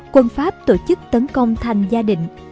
quân pháp tổ chức tấn công thành gia định